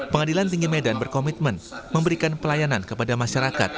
pengadilan tinggi medan berkomitmen memberikan pelayanan kepada masyarakat